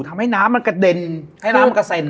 ทำให้น้ำมันกระเด็นให้น้ำมันกระเซ็น